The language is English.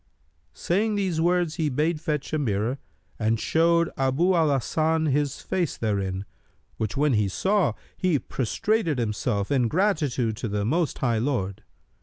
Saying these words, he bade fetch a mirror and showed Abu al Hasan his face therein, which when he saw, he prostrated himself, in gratitude to the Most High Lord.